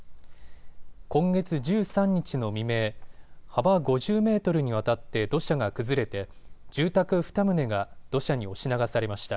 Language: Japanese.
今月１３日の未明、幅５０メートルにわたって土砂が崩れて住宅２棟が土砂に押し流されました。